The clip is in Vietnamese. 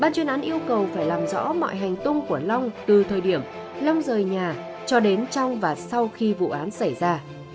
ban chuyên án yêu cầu phải làm rõ mọi hành tung của long từ thời điểm long rời nhà cho đến trong và sau khi vụ án xảy ra